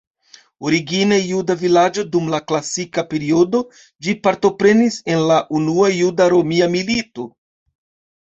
Origine juda vilaĝo dum la klasika periodo, ĝi partoprenis en la Unua Juda-Romia Milito.